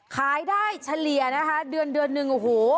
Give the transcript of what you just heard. ขายได้เฉลี่ยนะคะเดือนเดือนหนึ่งโอ้โห